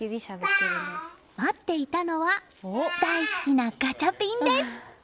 待っていたのは大好きなガチャピンです！